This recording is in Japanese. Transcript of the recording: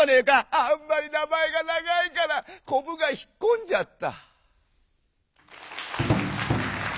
「あんまり名前が長いからこぶが引っこんじゃった」。